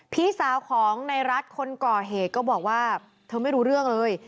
พี่สาวของในรัฐคนก่อเหตุก็บอกว่าเธอไม่รู้เรื่องเลย